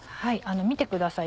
見てください